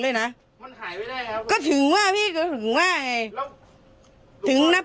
เลยนะมันขายไม่ได้แล้วก็ถึงว่าพี่ก็ถึงว่าไงถึงนับ